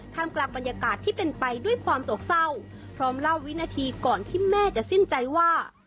กลางบรรยากาศที่เป็นไปด้วยความโศกเศร้าพร้อมเล่าวินาทีก่อนที่แม่จะสิ้นใจว่า